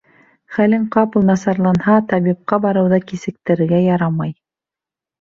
Хәлең ҡапыл насарланһа, табипҡа барыуҙы кисектерергә ярамай.